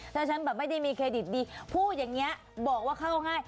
ถ้าฉันแบบไม่ได้มีเครดิตดีพูดอย่างนี้บอกว่าเข้าง่าย